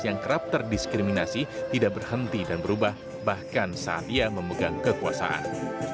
yang kerap terdiskriminasi tidak berhenti dan berubah bahkan saat ia memegang kekuasaan